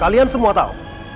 kalian semua tahu